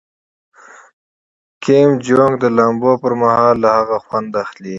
کیم جونګ د لامبو پر مهال له هغه خوند اخلي.